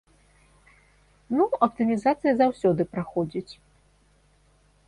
Ну, аптымізацыя заўсёды праходзіць.